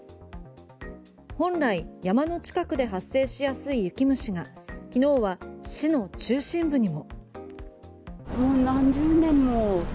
本来、山の近くで発生しやすい雪虫が昨日は市の中心部にも。